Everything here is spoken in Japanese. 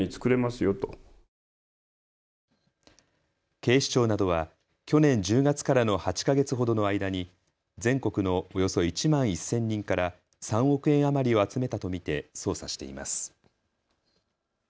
警視庁などは去年１０月からの８か月ほどの間に全国のおよそ１万１０００人から３億円余りを集めたと見て捜査しています。